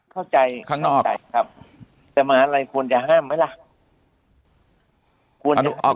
เข้าใจครับแต่หมาลัยควรจะห้ามไหมล่ะ